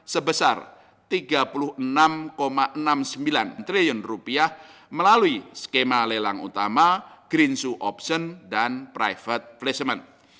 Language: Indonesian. sebesar rp tiga puluh enam enam puluh sembilan triliun melalui skema lelang utama green sue option dan private placement